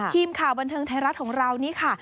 ทีมข่าวบันเทิงไทยรัฐของเรานี่ค่ะ